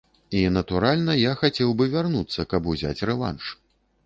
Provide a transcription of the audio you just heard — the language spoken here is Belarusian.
І, натуральна, я хацеў бы вярнуцца, каб узяць рэванш.